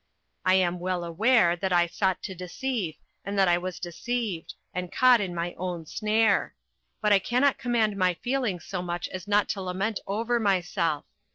I am well aware that I sought to deceive and that I was deceived, and caught in my own snare; but I cannot command my feelings so much as not to lament over myself.